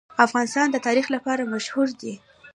افغانستان د تاریخ لپاره مشهور دی.